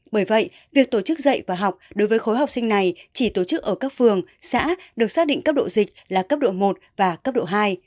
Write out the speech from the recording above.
bởi vậy việc tổ chức dạy và học đối với khối học sinh này chỉ tổ chức ở các phường xã được xác định cấp độ dịch là cấp độ một và cấp độ hai